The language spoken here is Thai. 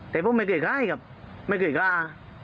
แต่ผมไม่เคยก้ายกับไม่เคยกล้า